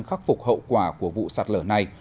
khắc phục hậu quả của vụ sạt lở này